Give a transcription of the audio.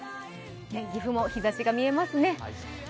岐阜も日ざしが見えますね。